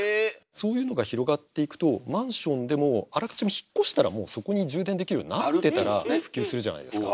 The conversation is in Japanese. そういうのが広がっていくとマンションでもあらかじめ引っ越したらもうそこに充電できるようになってたら普及するじゃないですか。